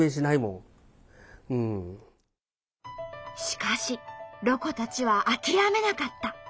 しかしロコたちは諦めなかった。